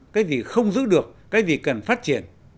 cái gì không giữ được cái gì cần phát triển